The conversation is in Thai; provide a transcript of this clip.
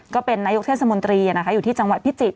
ก็เป็นนายกเทศมนตรีอยู่ที่จังหวัดพิจิตร